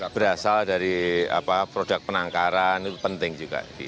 jadi berasal dari produk penangkaran itu penting juga